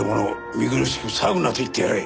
見苦しく騒ぐなと言ってやれ。